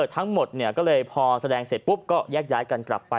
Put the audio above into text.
ทั้งหมดก็เลยพอแสดงเสร็จปุ๊บก็แยกย้ายกันกลับไป